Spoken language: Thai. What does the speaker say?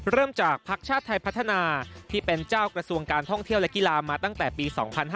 จากภักดิ์ชาติไทยพัฒนาที่เป็นเจ้ากระทรวงการท่องเที่ยวและกีฬามาตั้งแต่ปี๒๕๕๙